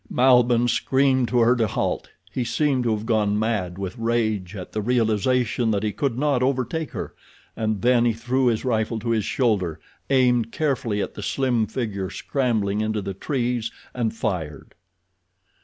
Malbihn screamed to her to halt. He seemed to have gone mad with rage at the realization that he could not overtake her, and then he threw his rifle to his shoulder, aimed carefully at the slim figure scrambling into the trees, and fired.